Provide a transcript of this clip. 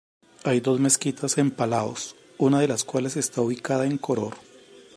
Hay dos mezquitas en Palaos, una de las cuales está ubicada en Koror.